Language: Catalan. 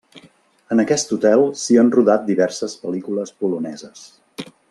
En aquest hotel s'hi han rodat diverses pel·lícules poloneses.